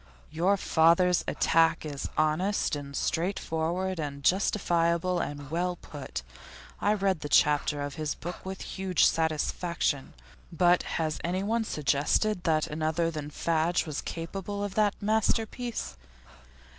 'Your father's attack is honest and straightforward and justifiable and well put. I read that chapter of his book with huge satisfaction. But has anyone suggested that another than Fadge was capable of that masterpiece?